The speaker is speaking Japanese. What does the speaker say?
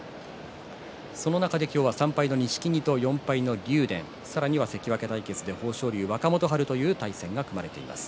その中で今日は３敗の錦木と４敗の竜電さらには関脇対決で豊昇龍と若元春の対戦が組まれています。